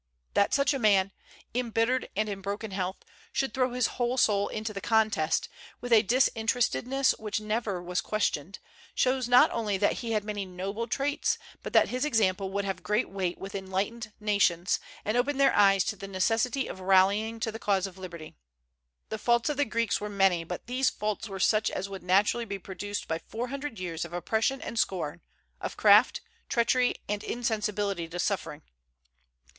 That such a man, embittered and in broken health, should throw his whole soul into the contest, with a disinterestedness which was never questioned, shows not only that he had many noble traits, but that his example would have great weight with enlightened nations, and open their eyes to the necessity of rallying to the cause of liberty. The faults of the Greeks were many; but these faults were such as would naturally be produced by four hundred years of oppression and scorn, of craft, treachery, and insensibility to suffering.